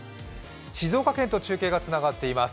静岡県と中継がつながっています。